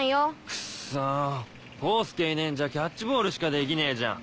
クッソ功介いねえんじゃキャッチボールしかできねえじゃん。